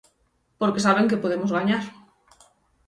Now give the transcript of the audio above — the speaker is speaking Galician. Porque saben que podemos gañar.